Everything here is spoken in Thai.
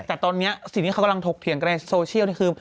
แต่ตอนนี้สิ่งที่เขากำลังถกเถียงกันในโซเชียลคือ